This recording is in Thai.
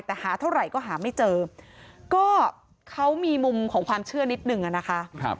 แต่หาเท่าไหร่ก็หาไม่เจอก็เขามีมุมของความเชื่อนิดนึงอะนะคะ